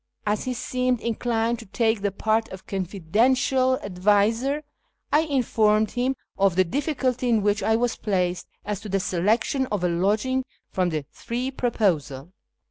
As he seemed inclined to take the part of confidential adviser, I informed liim of the difficulty in which I was placed as to the selection of a lodging from the three proposed.